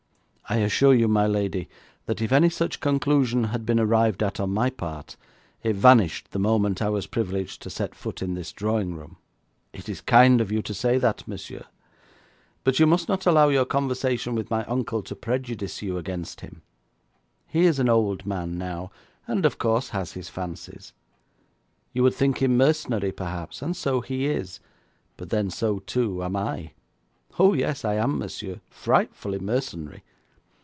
'I assure you, my lady, that if any such conclusion had been arrived at on my part, it vanished the moment I was privileged to set foot in this drawing room.' 'It is kind of you to say that, monsieur, but you must not allow your conversation with my uncle to prejudice you against him. He is an old man now, and, of course, has his fancies. You would think him mercenary, perhaps, and so he is; but then so, too, am I. Oh, yes, I am, monsieur, frightfully mercenary.